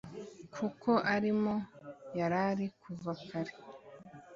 kuko arimo yarari kuva kare